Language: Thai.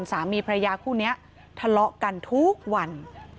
สามีพระพดีพญาครูเศร้าะกันทุกวัน